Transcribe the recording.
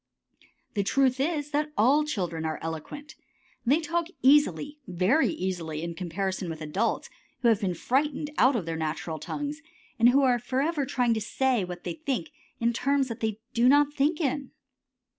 The truth is that all children are eloquent. They talk easily, very easily, in comparison with adults who have been frightened out of their natural tongues, and are forever trying to say what they think in terms that they do not think it in.